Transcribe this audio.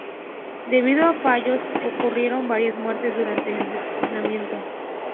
Debido a fallos, ocurrieron varias muertes durante el entrenamiento.